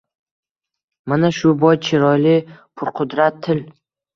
Mana shu boy, chiroyli, purqudrat til.